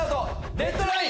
デッドライン！